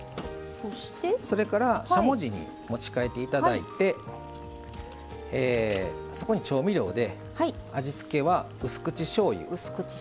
それから、しゃもじに持ち替えていただいてそこに調味料で味付けはうす口しょうゆ